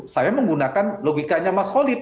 saya menggunakan logikanya mas holid